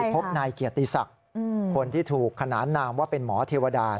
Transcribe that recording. พบนายเกียรติศักดิ์คนที่ถูกขนานนามว่าเป็นหมอเทวดา